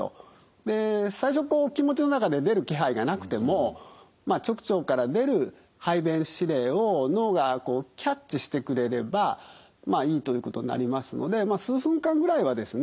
で最初こう気持ちの中で出る気配がなくてもまあ直腸から出る排便指令を脳がこうキャッチしてくれればまあいいということになりますのでまあ数分間くらいはですね